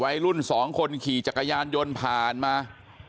วัยรุ่นสองคนขี่จักรยานยนต์ผ่านมา